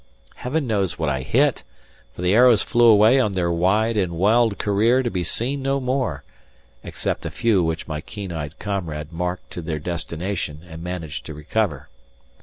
Heaven knows what I hit, for the arrows flew away on their wide and wild career to be seen no more, except a few which my keen eyed comrade marked to their destination and managed to recover.